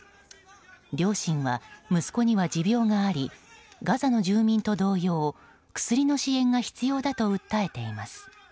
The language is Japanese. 両親は、息子には持病がありガザの住民と同様薬の支援が必要だと訴えています。